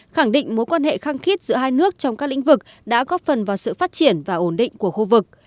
khẳng định mối quan hệ khăng khít giữa hai nước trong các lĩnh vực đã góp phần vào sự phát triển và ổn định của khu vực